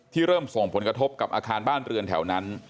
เริ่มส่งผลกระทบกับอาคารบ้านเรือนแถวนั้น